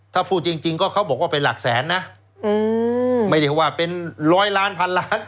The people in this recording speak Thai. ถ้าพูดจริงจริงก็เขาบอกว่าเป็นหลักแสนนะไม่ได้ว่าเป็นร้อยล้านพันล้าน